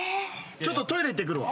ちょっとトイレ行ってくるわ。